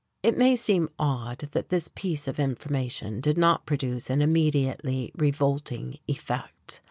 It may seem odd that this piece of information did not produce an immediately revolting effect.